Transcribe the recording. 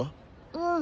うん。